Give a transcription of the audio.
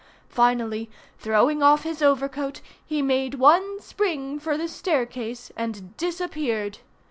Finally, throwing off his overcoat, he made one spring for the staircase and disappeared.